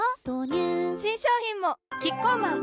新商品もキッコーマン